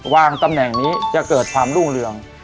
ตำแหน่งนี้จะเกิดความรุ่งเรือง